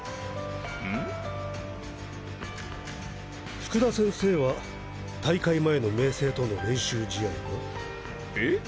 福田先生は大会前の明青との練習試合は？え？